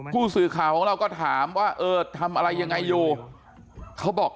ผู้สื่อข่าวของเราก็ถามว่าเออทำอะไรยังไงอยู่เขาบอก